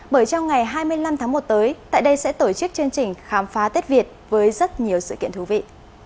bởi trong ngày hai mươi năm tháng một tới tại đây sẽ tổ chức chương trình khám phá tết việt với rất nhiều sự kiện thú vị